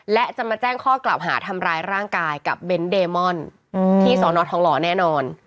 และจะมาแจ้งข้อกล่าวหาทำร้ายร่างกายกับเบนท์เดมอนที่สอนอทองหล่อแน่นอน